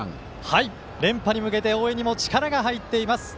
連覇に向けて応援にも力が入っています。